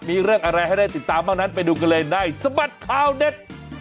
มีเรื่องอะไรให้ได้ติดตามบ้างนั้นไปดูกันเลยในสบัดข่าวเด็ด